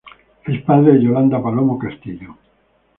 Es padre de Yolanda Palomo Castillo.